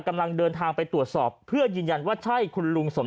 กำลังเดินทางไปตรวจสอบเพื่อยืนยันว่าใช่คุณลุงสม